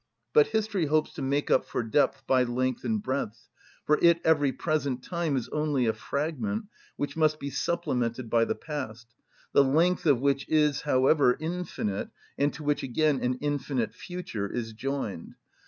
But history hopes to make up for depth by length and breadth; for it every present time is only a fragment which must be supplemented by the past, the length of which is, however, infinite, and to which again an infinite future is joined.